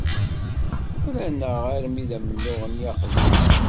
Rran-aɣ armi d amennuɣ-nni aqdim.